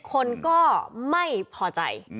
คนก็ไม่พอใจ